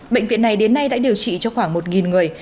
bệnh viện này đến nay đã điều trị cho khoảng một người